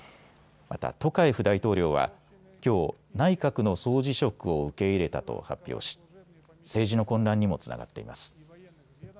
またトカエフ大統領はきょう、内閣の総辞職を受け入れたと発表し政治の混乱にもつながっています。